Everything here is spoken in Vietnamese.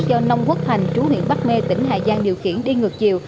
do nông quốc hành chú huyện bắc mê tỉnh hà giang điều khiển đi ngược chiều